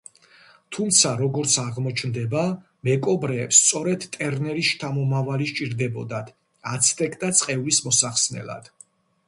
თუმცა, როგორც აღმოჩნდება, მეკობრეებს სწორედ ტერნერის შთამომავალი სჭირდებოდათ აცტეკთა წყევლის მოსახსნელად.